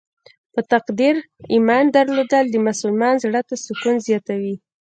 په تقدیر ایمان درلودل د مسلمان زړه ته سکون زیاتوي.